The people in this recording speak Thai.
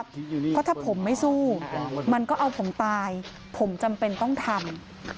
เพราะถ้าผมไม่สู้มันก็เอาผมตายผมจำเป็นต้องทำ